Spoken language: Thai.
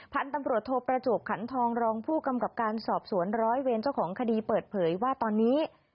พันธุ์ตำรวจโทประจวบขันทองรองผู้กำกับการสอบสวนร้อยเวรเจ้าของคดีเปิดเผยว่าตอนนี้